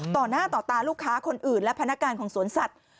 ต่อหน้าต่อตาลูกค้าคนอื่นและพนักงานของสวนสัตว์